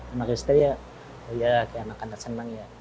anak istri ya ya anak anak senang ya